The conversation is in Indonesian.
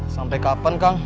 sampai kapan kang